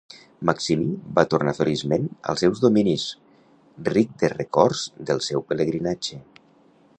Maximí va tornar feliçment als seus dominis, ric de records del seu pelegrinatge.